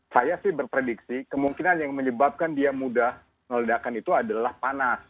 saya sih berprediksi kemungkinan yang menyebabkan dia mudah meledakan itu adalah panas